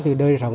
từ đời sống